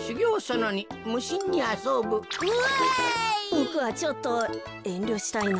ボクはちょっとえんりょしたいな。